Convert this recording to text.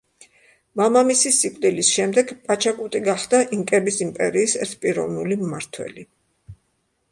მამამისის სიკვდილის შემდეგ, პაჩაკუტი გახდა ინკების იმპერიის ერთპიროვნული მმართველი.